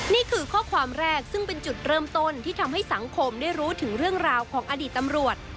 นี่คือข้อความแรกซึ่งเป็นจุดเริ่มต้นที่ทำให้สังคมได้รู้ถึงเรื่องราวของอดีตตำรวจ